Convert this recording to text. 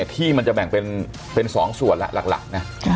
ที่มันจะแบ่งเป็น๒ส่วน